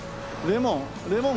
レモン？